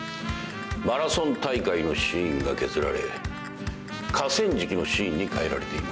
マラソン大会のシーンが削られ河川敷のシーンに変えられています。